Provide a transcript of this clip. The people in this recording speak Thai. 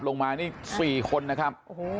ลงมานี่๔คนนะครับ